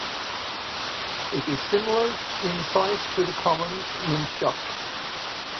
It is similar in size to the common muntjac.